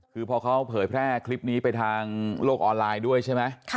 คือพอเขาเผยแพร่คลิปนี้ไปทางโลกออนไลน์ด้วยใช่ไหม